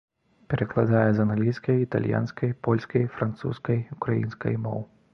Перакладае з англійскай, італьянскай, польскай, французскай, украінскай моў.